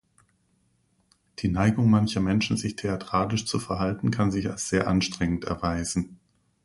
Die Neigung mancher Menschen, sich theatralisch zu verhalten, kann sich als sehr anstrengend erweisen.